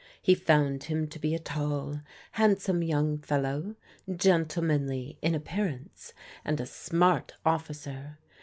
He found him to be a tall, handsome young fellow, gentlemanly in appearance, and a smart officer.